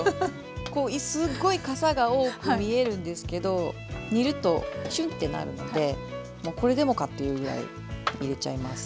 すっごいかさが多く見えるんですけど煮るとしゅんってなるのでもうこれでもかというぐらい入れちゃいます。